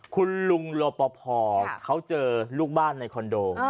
คุณลุงรปภเขาเจอลูกบ้านในคอนโด